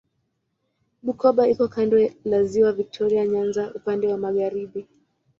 Bukoba iko kando la Ziwa Viktoria Nyanza upande wa magharibi.